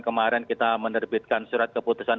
kemarin kita menerbitkan surat keputusan